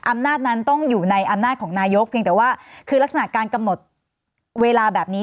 อำนาจนั้นต้องอยู่ในอำนาจของนายกเพียงแต่ว่าคือลักษณะการกำหนดเวลาแบบนี้